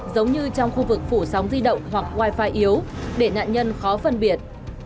giống như trong khu vực phủ sóng di động hoặc wifi yếu để nạn nhân khó phân biệt